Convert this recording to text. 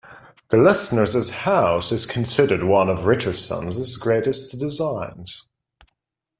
Glessner's house is considered one of Richardson's greatest designs.